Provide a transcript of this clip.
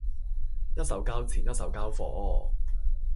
一手交錢一手交貨